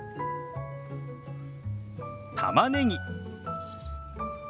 たまねぎ。